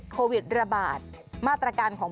โควิดระบาดมาตรการของ